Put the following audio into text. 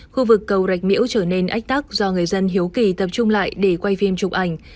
khu vực cầu rạch miễu trở nên ách tắc do người dân hiếu kỳ tập trung lại để quay phim chụp ảnh